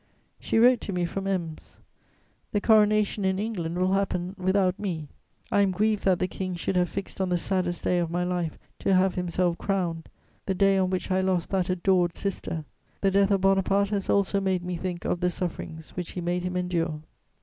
She wrote to me from Ems: "The Coronation in England will happen without me; I am grieved that the King should have fixed on the saddest day of my life to have himself crowned: the day on which I lost that adored sister. The death of Bonaparte has also made me think of the sufferings which he made him endure."